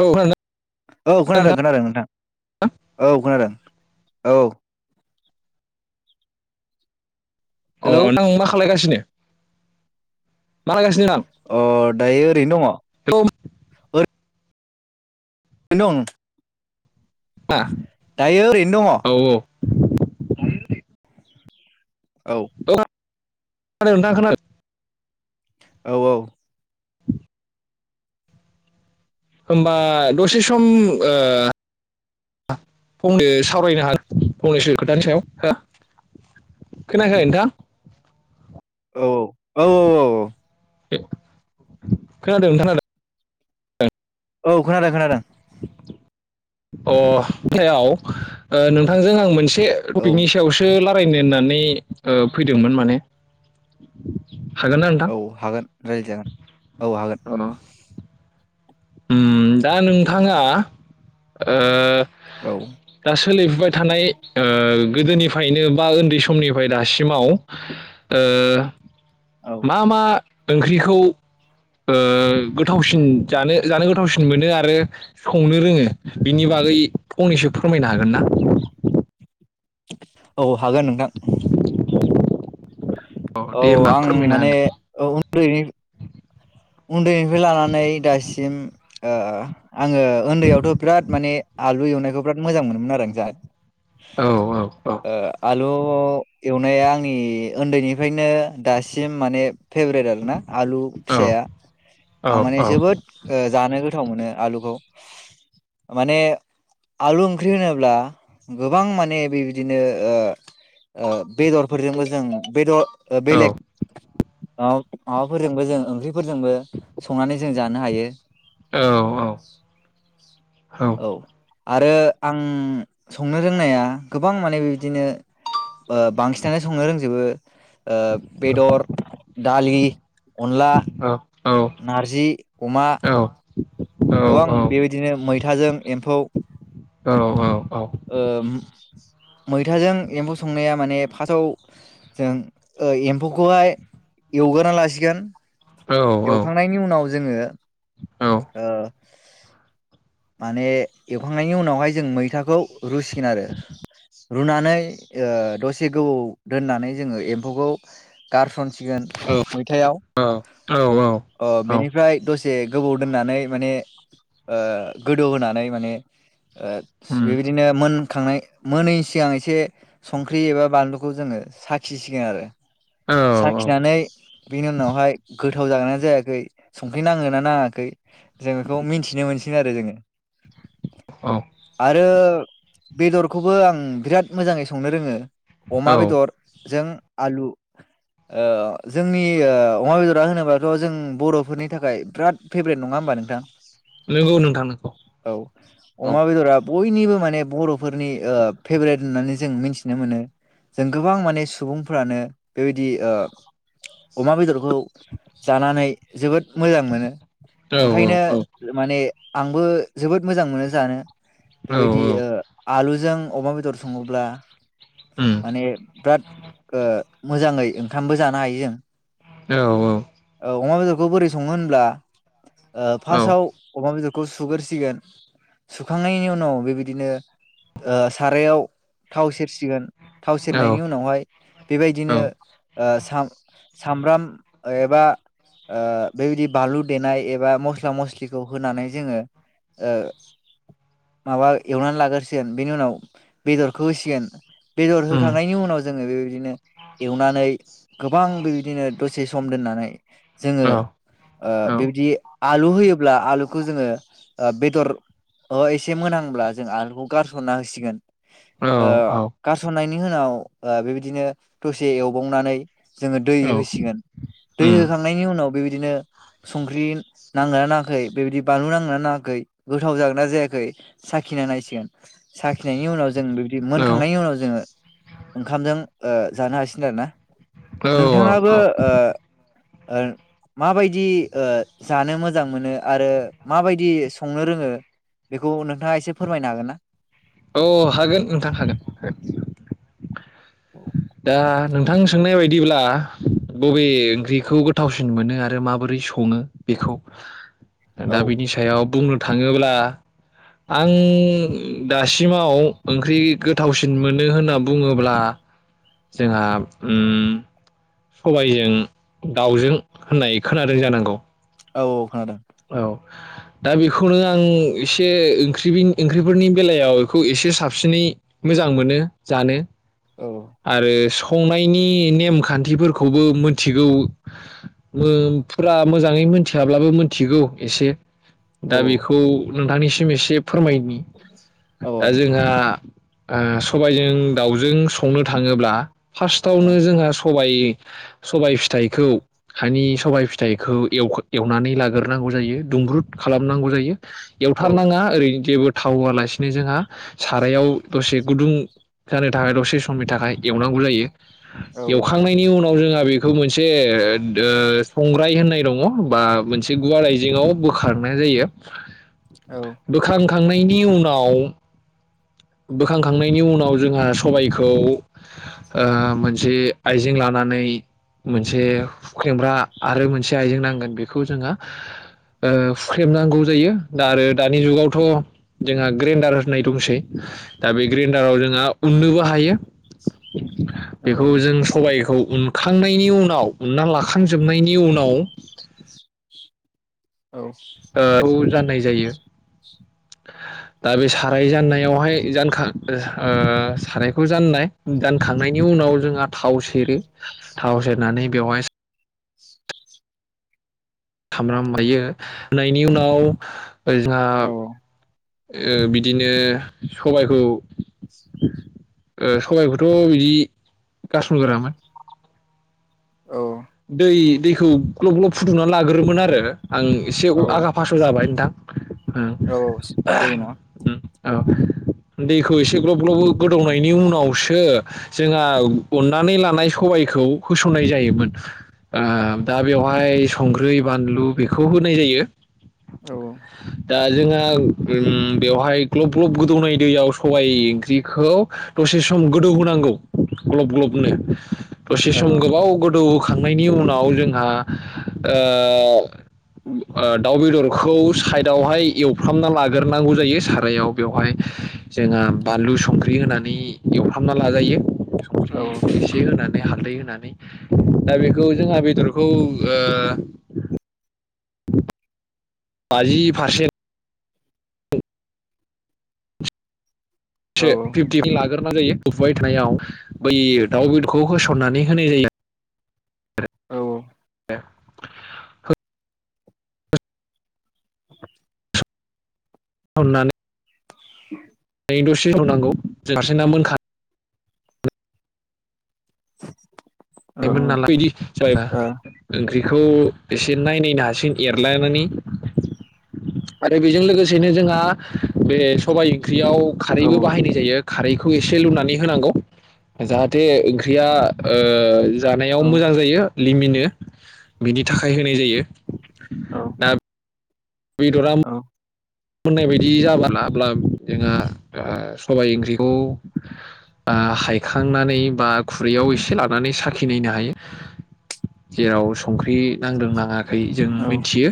औ खोनादो औ खोनादों खोनादों नोंथां औ खोनादों औ अ हेलौ नों मा खालायगासिनो मा खालायगा अ दायो ओरैनो दङ नोंथां [unintelligible] मा दायो ओरैनो दङ औ औ औ खोनादो नोंथां खोना औ औ [inaudible] होमबा दसे सम ओ फंनो सावरायनो हाग फंनैसो खोथानि सायाव हो खोनायाखै नोंथां? औ औ औ औ औ खोनादों खोनादों। औ खोनादों खोनादों। अ [inaudible] नोंथांजों आं मोनसे से औ थपिकनि सायावसो ला रायनो होननानै ओ फैदोंमोन माने [inaudible] ना नोंथां औ हागोन रायज्लाय जागोन औ हागोन [inaudible] उम दा नोंथाङा ओ औ दा सोलिफुबाय थानाय ओ गोदोनिफ्रायनो बा उन्दै समनिफ्राय दासिमाव ओ औ मा मा ओंख्रिखौ ओ गोथावसिन जानो जानो गोथावसिन मोनो आरो संनो रोङो बिनि बागै फंनैसो फोरमायनो हागोन ना? औ हागोन नोंथां। औ दे होमबा आं फोरमायना माने औ उन्दैनि उन्दैनिफ्राय लानानै दासिम ओ आङो उन्दैयावथ' बिराद माने आलु एवनायखौ बिराद मोजां मोनोमोन आरो आं जा औ औ औ थ' एवनाया आंनि उन्दैनिफ्रायनो दासिम माने फेभ्रेट आर ना आलु औ फिसाया औ आं माने जोबोद ओ जानो गोथ गोथाव मोनो आलुखौ माने आलु ओंख्रि होनोब्ला गोबां माने बेबायदिनो ओ ओ बेदरफोरजोंल जों बेदर ओ बेलेग माबा माबाफोरजोंबो जों ओंख्रि फोरजोंबो संनानै जों जानो हायो। औ औ औ आरो आं संनो रोंनाया गोबां माने बिबदिनो बांसिनानो संनो रोंजोबो। ओ बेदर दालि अनला। नारजि अमा। गोबां बेबायदिनो मैथाजों एम्फौ औ औ ओ मैथाजों एम्फौ संनाया माने फासआव जों एम्फौखौहाय एवग्रा लासिगोन औ एवखांनायनि उनाव जोङो उम ओ माने एवखांनायनि उनावहाय जों मैथाखौ रुसिगोन आरो रुनानै ओ दसे गोबाव दोननानै जोङो एम्फौखौ गारसन- होसिगोन मैथायाव ओ बेनिफ्राय दसे से गोबाव दोननानै माने गोदौ होनोनानै माने ओ बेबायदिनो मोन खांनाय मोनैनि सिगां एसे संख्रि एबा बानलुखौ जोङो साखिसिगोन आरो औ साखिनानै बिनि उनावहाय गो गोथाव जागोना जायाखै संख्रि नाङोना नाङाखै जोङ बेखौ मिन्थिनो मोनसि आरो जोङो [unintelligible] औ आरो बेदरखौ बो आं बिराद मोजाङै संनो रोङो अमा औ बेदरजों आलु ओ जोंनि ओ अमा बेदरा होनोबाथ' जों बर'फोरनि थाखाय बिराद फेभ्रेट नङा होमबा नोंथां नोंगौ नोंथां औ औ अमा बेद'रा बयनिबो माने बर'फोरनि ओ फेभरेट होननानै जों मिनथिनो मोनो जों गोबां माने सुबुंफ्रानो बेबायदि ओ अमा बेदरखौ जानानै जोबोद मोजां मोनो औ ओंखायनो माने आंबो जोबोद मोजां मोनो जानो औ बेबायदि ओ आलुजों अमा बेदर सङोब्ला उम माने बिराद ओ मोजाङै ओंखामबो जानो हायो जों औ औ ओ अमा बेदरखौ बोरै सङो होनब्ला ओ औ फार्स्टआव अमा बेदर खो सुगोर सिगोन सुखांनायनि उनाव बेबायदिनो ओ सारायाव थाव सेर सिगोन, थाव सेरनायनि उनावहाय, औ बेबायदिनो ओ साम-सामब्राम ओ एबा ओ बेबायदि बानलु देनाय एबा मस्ला मस्लिखौ होनानै जोङो ओ माबा एवना लाग्रोसिगोन बेनि उनाव बेदरखौ होसिगोन। बेदर उम होखांनायनि उनाव जोङो बेबायदिनो एवनानै गोबां बेबायदिनो दसे सम दोननानै जोङो औ ओ औ बेबायदि आलु होयोब्ला आलुखौ जोङो ओ बेदर ओ एसे मोनांहांब्ला जों आलुखौ गारसनना होसिगोन औ ओ गारसननाय नि उनाव ओ बेबायदिनो दसे एवबावनानै जोङो दै होसिगोन दै उम होखांनायनि उनाव बेबायदिनो संख्रि नांदोंना नाङाखै बेबायदि बानलु नांदोंना नाङा गोथाव जागोना जायाखै साखिना नायसिगोन सखिनायनि उनाव जों बे बिबायदि औ मोनखांनायनि उनाव जोङो ओंखामजों ओ जानो हासिगोन आरो ना औ औ नोंथाङाबो ओ ओ माबायदि ओ जानो मोजां मोनो आरो माबायदि स संनो रोङो बेखौ नोंथाङा एसे फोरमायनो हागोन ना? औ हागोन नोंथां हागोन [inaudible] दा नोंथां सोंनाय बायदिब्ला बबे ओंख्रिखौ गोथावसिन मोनो आरो माबोरै सङो बेखौ औ दा बिनि सायाव बुंनो थाङोब्ला आं दासिमाव ओंख्रि गोथावसिन मोनो होनना बुङोब्ला जोंहा ओम सबाइजों दाउजों होननाय खोनादों जानांगौ औ औ खोनादों औ दा बेखौनो आं एसे ओंख्रि ओंख्रिफोरनि बेलायाव इखौ एसे साबसिनै मोजां मोनो जानो औ आरो स संनायनि नेमखान्थिफोरखौबो मिनथिगौ ओम फुरा मोजाङै मिथियाब्लाबो मिनथिगौ एसे औ दा बेखौ नोंथांनिसिम एसे फोरमायनि औ दा औ जोंहा ओ सबाइजों दाउजों स संनो थाङोब्ला औ फार्स्टआवनो जोंहा स सबाइ सबाइ फिथाइखौ हानि सबाइ फिथाइखौ एव-एवनानै लाग्रोनांगौ जायो दुंब्रुद खालामनांगौ जायो। एवथारनाङा ओरै जेबो थाव होआलासिनो जोंहा सारायाव दसे गुदुं जानो थाखाय दसे समनि थाखाय एवनांगौ जायो। एवखांनायनि उनाव जोंहा बे खौ मोनसे ए ओ संग्राय होननाय दङ बा मोनसे गुवार आइजेङाव बोखारनाय जायो बोखां खांनायनि उनाव बोखांखांनायनि उनाव जोंहा सबायखौ आ मोन से आइजें लानानै मोनसे हुख्रेमग्रा आरो मोनसे आइजें नांगोन बेखौ जोंहा ओ हुख्रेमनांगौ जायो दा आरो दानि जुगावथ' जोंहा ग्रेन्डार होननाय दंसै दा बे ग्रेन्डाराव जोंहा उन्नोबो हायो। बेखौ जों सबायखौ उनखांनायनि उनाव उनना लाखांजोबनायनि उनाव औ। ओ जाननाय जायो दा बे साराय जाननायावहाय जानखा ओ सारायखौ जाननाय जानखांनायनि उनाव जोंहा थाव सेरो थाव सेरनानै बेवहाय खामब्राम होयो होननायनि उनाव जाहा ओ बिदिनो सबायखौ सबायखौथ' बिदि गारसनगोरामोन औ।। दै-दैखौ ग्लब ग्लब फुदुंनानै लागोरोमोन आरो। आं एसे औ आगा फास' जाबाय नोंथां। औ [inaudible] ओ जेबो नङा ओम औ। दैखौ एसे ग्लब ग्लब गोदौनायनि उनावसो जोंहा उननानै लानाय सबायखौ होसननाय जायोमोन। ओ दा बेवहाय संख्रै बानलु बेखौ होनाय जायो। औ। दा जोंहा बेवहाय ओ ग्लब ग्लब गोदौनाय दैयाव सबाइ ओंख्रिखौ दसे सम गोदौ होनांगौ ग्लब ग्लबनो। दसे औ सम गोबाव गोदौ खांनायनि उनाव जोंहा ओ दाउ बेदरखौ साइदावहाय एवफ्रामना लाग्रोनांगौ जायो सारायाव बेवहाय जोंहा बानलु संख्रि होनानै एवफ्रामना लाजायो। औ संख्रि एसे होनानै हालदै हो नानै दा बेखौ जोंहा बेदरखौ ओ बाजि फारसे औ से फिफ्टि [unintelligible] गोरना जायो औफुबाय थानायाव बै दाउ बेदरखौ होसननानै होनाय जायो। आरो औ। [unintelligible] [inaudible] अनानै [inaudible] दसे होनांगौ सासेना मोनखा औ योमोन नालाय बिदि जायो ना बेखौ एसे नायनो हासिन एरलायनानै आरो बेजों लोगोसेनो जोंहा बे सबायाइ ओं ख्रियाव औ खारैबो बाहायनाय जायो खारैखौ एसे लुनानै होनांगौ जाहाथे ओंख्रिया ओ जानायाव मोजां औ जायो लिमिन जायो बिनि थाखाय होनाय जायो औ दा बेदरा मोननाय बायदि जाबाब्ला जोंहा सबाय आं ओंख्रिखौ हायखांनानै बा खुरैयाव एसे लानानै साखिनायनो हायो जेराव संख्रि नांदों नाङाै खै‌ जों मिथियो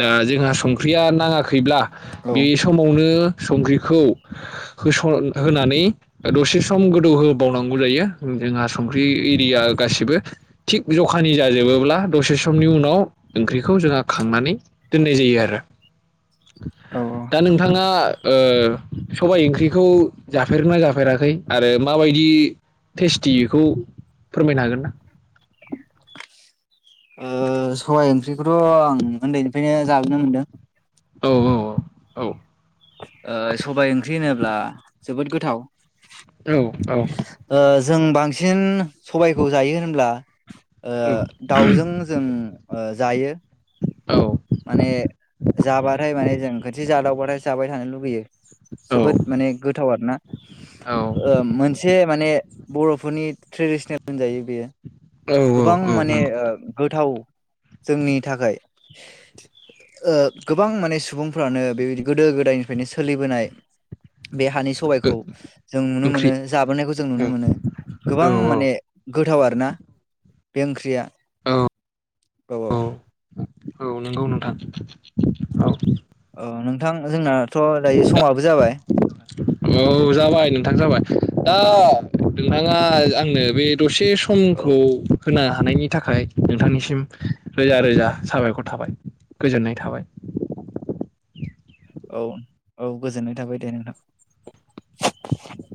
दा जोंहा संख्रिया नाङाखैब्ला बे समावनो। संख्रिखौ होसन होनानै दसे सम गोदौहोबावनांगौ जायो जोंहा संख्रि एरिया गासिबो थिग जखानि जाजोबोब्ला दसे समनि उनाव ओंख्रिखौ जोंहा खांनानै दोननाय जायो आरो। दा नोंथाङा। ओ सबाय इंख्रिखौ जाफेरगोन ना जाफेराखै आरो माबायदि टेस्टि बेखौ फोरमायनो हागोन ना? ओ सबाय ओंख्रिखौथ' आं उन्दैनिफ्रायनो जाबोनो मोनदों। औ औ औ औ। ओ सबाय ओंख्रि ओनोब्ला। जोबोद गोथाव। औ औ। ओ जों बांसिन सबायखौ जायो होनब्ला ओ औ दाउजों जों ओ जायो। माने जाबाथाय माने जों खोथि जादाव बाथाय जाबाय थानो लुुगैयो। जोबोद माने गोथाव आरो ना। ओ मोनसे माने। बर'फोरनि ट्रेडिसनेल होनजायो बेयो। औ गोबां औ औ माने ओ नंगौ गोथाव, जोंनि थाखाय ओ गोबां माने सुबुंफ्रानो बेबायदि गोदो गोदायनिफ्रायनो सोलिबोनाय बे हानि सबायखौ जों नुनो ओंख्रि मोनो जाबोनायखौ जों नुनो औ मोनो गोबां औ माने गोथाव आरो ना बे ओंख्रिया औ औ। औ नंगौ नोंथां औ। औ नोंथां जोंना। [unintelligible] औ जाबाय नोंथां जाबाय। दा नोंथाङा आंनो बे। दसे औ समखौ होना। थानायनि थाखाय नोंथांनिसिम रोजा रोजा साबायखर थाबाय गोजोननाय थाबाय। औ औ गोजोननाय थाबाय दे नोंथां [inaudible]